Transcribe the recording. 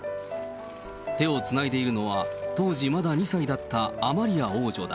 手をつないでいるのは、当時まだ２歳だったアマリア王女だ。